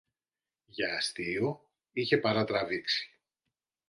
Για αστείο είχε παρατραβήξει